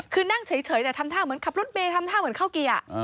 คือนั่งเฉยแต่ทำท่าเหมือนขับรถเมย์ทำท่าเหมือนเข้าเกียร์